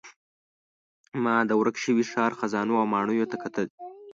ما د ورک شوي ښار خزانو او ماڼیو ته کتل.